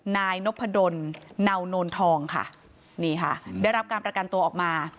นายนพดลเนาโนนทองค่ะนี่ค่ะได้รับการประกันตัวออกมา